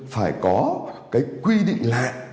phải có cái quy định lạ